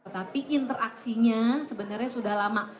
tapi interaksinya sebenarnya sudah lama